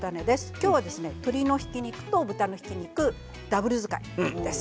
今日は鶏のひき肉と豚のひき肉ダブル使いです。